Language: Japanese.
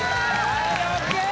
はいＯＫ